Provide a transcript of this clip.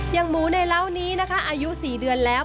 อย่างหมูในราวนี้นะคะอายุ๔เดือนแล้ว